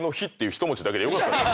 １文字だけでよかった。